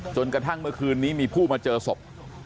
จนกระทั่งเมื่อคืนนี้มีผู้มาเจอศพ